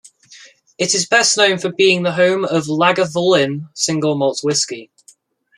It is best known for being the home of Lagavulin single malt whisky.